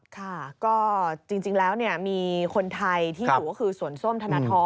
ค่ะก็จริงแล้วมีคนไทยที่อยู่ก็คือสวนส้มธนทร